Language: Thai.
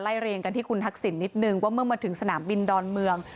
เรียงกันที่คุณทักษิณนิดนึงว่าเมื่อมาถึงสนามบินดอนเมือง